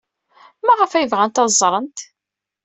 Maɣef ay bɣant ad ẓrent?